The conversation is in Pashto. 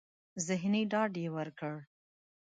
ذهني ډاډ يې ورکړ.